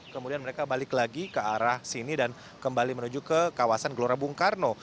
kemudian mereka balik lagi ke arah sini dan kembali menuju ke kawasan gelora bung karno